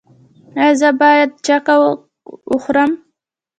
ایا زه باید چکه وخورم؟